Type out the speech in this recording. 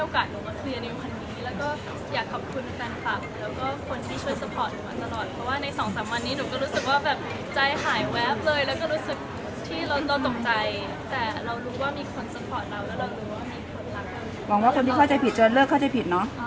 ก็หวังว่าทุกคนจะเข้าใจ